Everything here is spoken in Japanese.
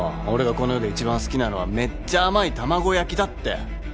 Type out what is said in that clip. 俺がこの世で一番好きなのはめっちゃ甘い卵焼きだって。